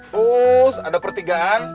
terus ada pertigaan